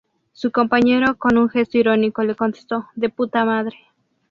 Su compañero con un gesto irónico le contesto: "de puta madre".